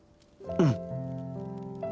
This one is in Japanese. うん。